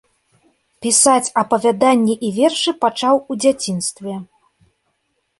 Пісаць апавяданні і вершы пачаў у дзяцінстве.